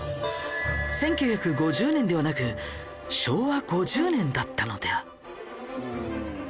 １９５０年ではなく昭和５０年だったのでは？